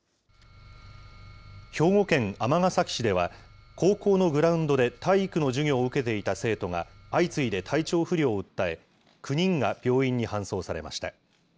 兵庫県尼崎市では、高校のグラウンドで体育の授業を受けていた生徒が相次いで体調不良を訴え、９人が病院に搬送されました。